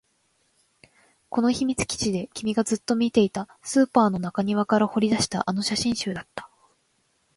この秘密基地で君がずっと見ていた、スーパーの中庭から掘り出したあの写真集だった